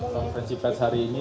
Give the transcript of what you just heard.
konferensi pes hari ini